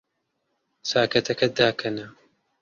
چاکەتەکەت داکەنە.